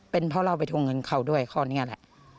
เป็นเพราะเราไปทวงเงินเขาด้วยข้อนี้แหละ